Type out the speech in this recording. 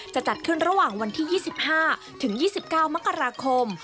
จะจัดขึ้นระหว่างวันที่๒๕ถึง๒๙มกราคม